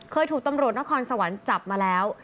เคยถูกตำรวจนครสวรรค์จับมาแล้ว